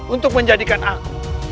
untuk menjadikan aku